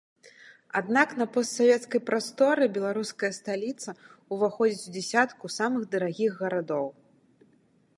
Аднак на постсавецкай прасторы беларуская сталіца ўваходзіць у дзясятку самых дарагіх гарадоў.